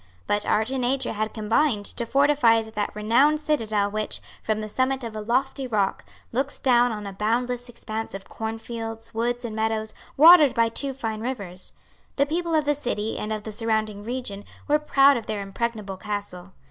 But art and nature had combined to fortify that renowned citadel which, from the summit of a lofty rock, looks down on a boundless expanse of cornfields, woods and meadows, watered by two fine rivers. The people of the city and of the surrounding region were proud of their impregnable castle.